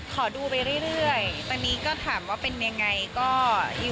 เขาก็บ้างงานเหมือนกันเลย